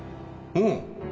うん